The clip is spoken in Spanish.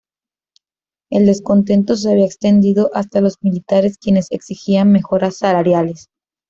El descontento se había extendido hasta los militares, quienes exigían mejoras salariales.